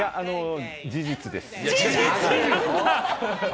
事実です。